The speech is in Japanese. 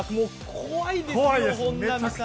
怖いですよ、本並さん。